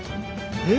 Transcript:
え？